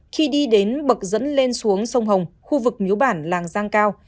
khi đi đến bậc dẫn lên xuống sông hồng khu vực nhú bản làng giang cao